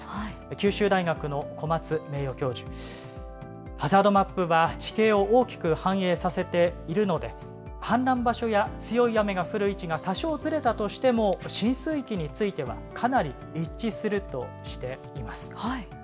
九州大学の小松名誉教授ハザードマップは地形を大きく反映させているので氾濫場所や強い雨が降る位置が多少ずれたとしても浸水域についてはかなり一致するとしています。